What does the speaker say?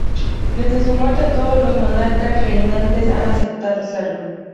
Desde su muerte, todos los monarcas reinantes han aceptado serlo.